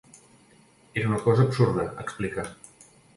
Era una cosa absurda, explica.